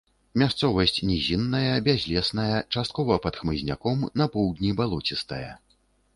Мясцовасць нізінная, бязлесная, часткова пад хмызняком, на поўдні балоцістая.